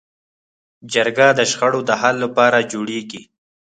جرګه د شخړو د حل لپاره جوړېږي